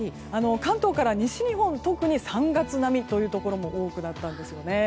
関東から西日本特に３月並みのところも多くなったんですよね。